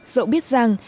dẫu biết rằng